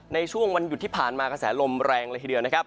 ในช่วงวันหยุดที่ผ่านมากระแสลมแรงเลยทีเดียวนะครับ